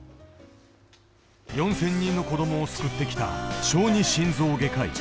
４０００人の子どもを救ってきた小児心臓外科医。